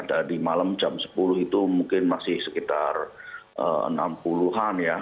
dan di malam jam sepuluh itu mungkin masih sekitar enam puluh an ya